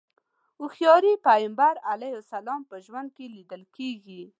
هوښياري پيغمبر علیه السلام په ژوند کې ليدل کېږي.